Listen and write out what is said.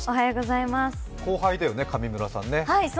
後輩だよね、上村さんね。